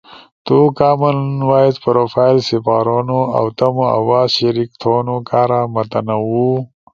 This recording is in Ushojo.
تو کامن وائس پروفائل سپارونو اؤ تمو آواز شریک تھونو کارا متنوع